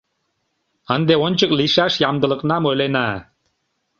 Ынде ончык лийшаш ямдылыкнам ойлена.